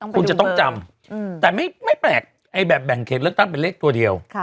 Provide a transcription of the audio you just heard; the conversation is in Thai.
คุณจะต้องจำแต่ไม่แปลกแบบแบ่งเขตเลือกตั้งเป็นเลขตัวเดียว